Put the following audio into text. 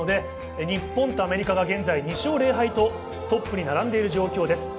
日本とアメリカが２勝０敗とトップに並んでいます。